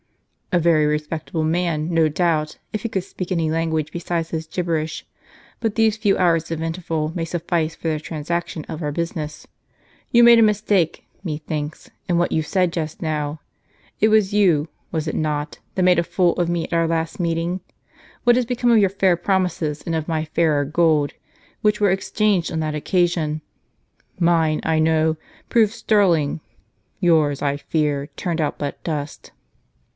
" A very respectable man, no doubt, if he could speak any language besides his gibberish ; but these few hours of inter val may suffice for the transaction of our business. You made a mistake, methinks, in what you said just now. It was you, was it not, that made a fool of me at our last meeting ? What has become of your fair promises, and of my fairer gold, which were exchanged on that occasion ? Mine, I know, proved sterling; yours, I fear, turned out but dust."